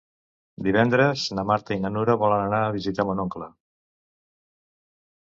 Divendres na Marta i na Nura volen anar a visitar mon oncle.